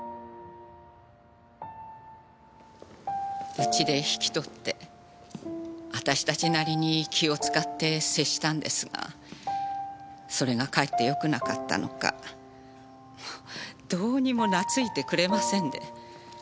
うちで引き取って私たちなりに気を使って接したんですがそれがかえって良くなかったのかどうにも懐いてくれませんで。